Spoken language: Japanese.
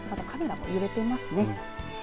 カメラも揺れていますね。